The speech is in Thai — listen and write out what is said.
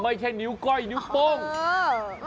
ไม่ใช่นิ้วก้อยนิ้วโป้ง